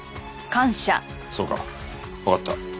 そうかわかった。